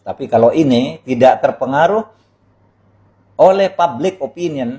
tapi kalau ini tidak terpengaruh oleh public opinion